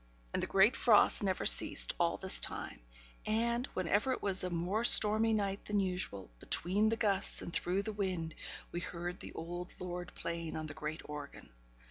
And the great frost never ceased all this time; and, whenever it was a more stormy night than usual, between the gusts, and through the wind, we heard the old lord playing on the great organ.